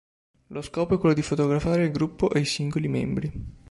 Lo scopo è quello di fotografare il gruppo e i singoli membri.